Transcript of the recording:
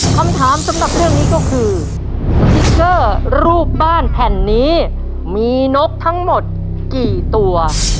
คำถามสำหรับเรื่องนี้ก็คือสติ๊กเกอร์รูปบ้านแผ่นนี้มีนกทั้งหมดกี่ตัว